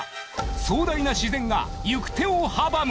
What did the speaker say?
壮大な自然が行く手を阻む。